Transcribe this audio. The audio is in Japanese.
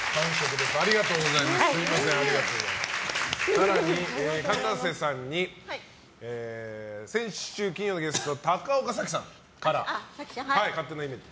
更にかたせさんに先週金曜のゲスト高岡早紀さんから勝手なイメージ。